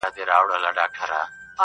o زه مي دوې نښي د خپل یار درته وایم,